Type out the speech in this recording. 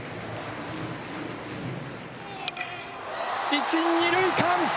一・二塁間。